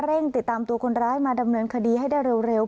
ติดตามตัวคนร้ายมาดำเนินคดีให้ได้เร็ว